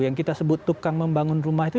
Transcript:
yang kita sebut tukang membangun rumah itu